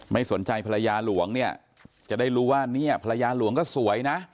ไม่สนใจภรรยาหลวงจะได้รู้ว่าภรรยาหลวงก็สวยนะ